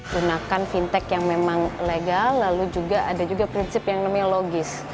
gunakan fintech yang memang legal lalu juga ada juga prinsip yang namanya logis